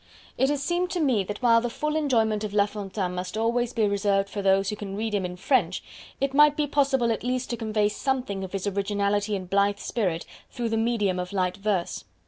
It has seemed to me that while the full enjoyment of La Fontaine must always be reserved for those who can read him in French, it might be possible at least to convey something of his originality and blithe spirit through the medium of light verse.